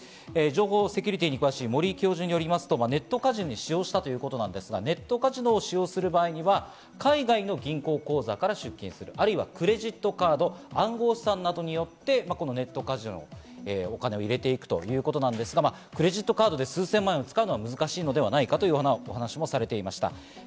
情報セキュリティーに詳しい森井教授によりますとネットカジノに使用したということなんですが、使用する場合には海外の銀行口座から出金する、或いはクレジットカード、暗号資産などによってネットカジノにお金を入れていくということなんですが、クレジットカードで数千万を使うのは難しいのではないかというお話もされていました。